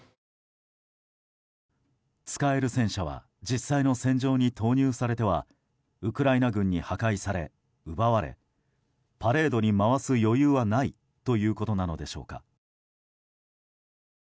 使える戦車は実際の戦場に投入されてはウクライナ軍に破壊され、奪われパレードに回す余裕はないということなのでしょうか。